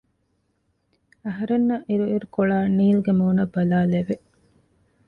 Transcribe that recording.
އަހަރެންނަށް އިރު އިރުކޮޅާ ނީލްގެ މޫނަށް ބަލާލެވެ